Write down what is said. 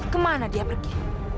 kemana dia pergi